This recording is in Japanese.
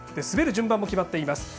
滑る順番も決まっています。